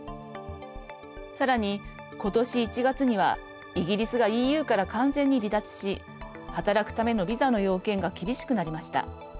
さらに、ことし１月にはイギリスがＥＵから完全に離脱し働くためのビザの要件が厳しくなりました。